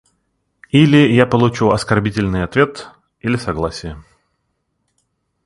Или я получу оскорбительный ответ, или согласие.